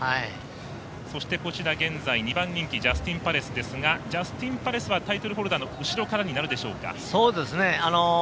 そして、２番人気ジャスティンパレスですがジャスティンパレスはタイトルホルダーのそうですね。